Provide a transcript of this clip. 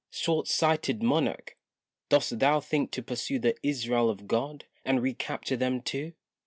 short sighted monarch, dost thou think to pursue The Israel of God, and recapture them too?